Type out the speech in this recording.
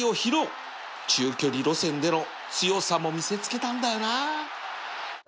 中距離路線での強さも見せつけたんだよな